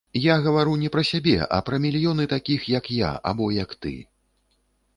Я гавару не пра сябе, а пра мільёны такіх, як я, або як ты.